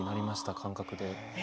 感覚で。